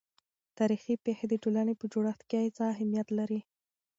تاريخي پېښې د ټولنې په جوړښت کې څه اهمیت لري؟